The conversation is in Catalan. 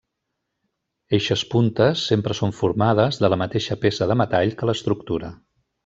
Eixes puntes sempre són formades de la mateixa peça de metall que l'estructura.